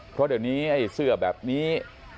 เพราะเดี๋ยวนี้ไอ้เสื้อแบบนี้